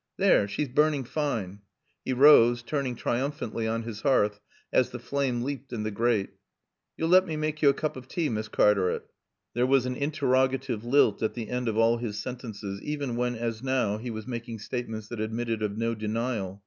"There she's burning fine." He rose, turning triumphantly on his hearth as the flame leaped in the grate. "Yo'll let me mak' yo' a coop of tae, Miss Cartaret." There was an interrogative lilt at the end of all his sentences, even when, as now, he was making statements that admitted of no denial.